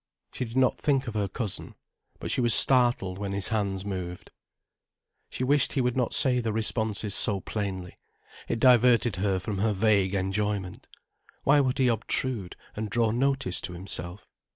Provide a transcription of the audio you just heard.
She did not think of her cousin. But she was startled when his hands moved. She wished he would not say the responses so plainly. It diverted her from her vague enjoyment. Why would he obtrude, and draw notice to himself?